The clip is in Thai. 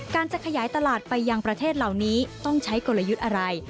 จะขยายตลาดไปยังประเทศเหล่านี้ต้องใช้กลยุทธ์อะไร